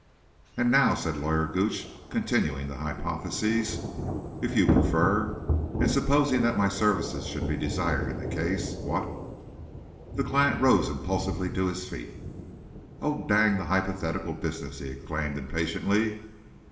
"And now," said Lawyer Gooch, "continuing the hypothesis, if you prefer, and supposing that my services should be desired in the case, what—" The client rose impulsively to his feet. "Oh, dang the hypothetical business," he exclaimed, impatiently.